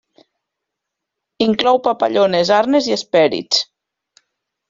Inclou papallones, arnes i hespèrids.